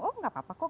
oh gak apa apa kok